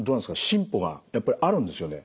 進歩がやっぱりあるんですよね？